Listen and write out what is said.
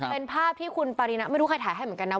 เป็นภาพที่คุณปารีนะไม่รู้ใครถ่ายให้เหมือนกันนะ